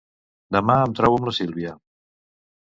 Demà em trobo amb la Sílvia.